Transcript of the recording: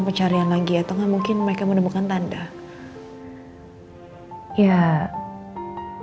pencarian lagi ate mungkin mereka menemukan tanda oh ya bukannya pencarian itu udah dilakukan kebalik